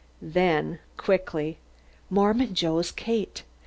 Then, quickly "Mormon Joe's Kate!"